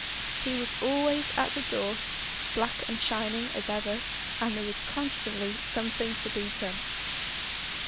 He was always at the door, black and shining as ever, and there was constantly something to be done.